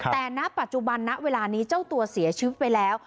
แต่ณปัจจุบันณเวลานี้เจ้าตัวเสียชีวิตไปแล้ว